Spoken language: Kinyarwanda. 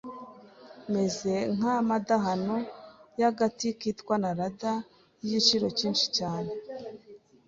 "meza nk'amadahano y'agati kitwa Narada y'igiciro cyinshi cyane